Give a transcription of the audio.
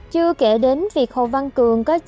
chưa kể đến việc hồ văn cường trồng bông nè